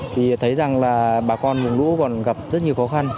thì thấy rằng là bà con vùng lũ còn gặp rất nhiều khó khăn